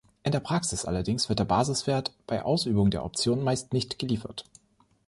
In der Praxis allerdings wird der Basiswert bei Ausübung der Option meist nicht geliefert.